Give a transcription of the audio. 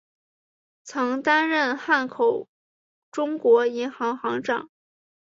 曾担任汉口中国银行行长。